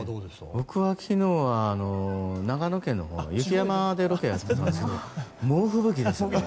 僕は、昨日は長野県の雪山でロケやってたんですけど猛吹雪ですよ。